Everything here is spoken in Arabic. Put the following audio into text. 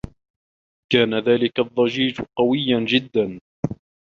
كان ذلك الضّجيج قويّا جدّا.